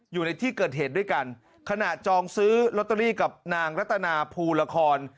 อยู่ในที่เกิดเหตุด้วยกันขณะจองซื้อลอตเตอรี่กับนางรัตนาภูละคร